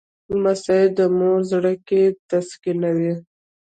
لمسی د مور زړګی تسکینوي.